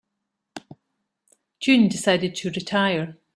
June decided to retire.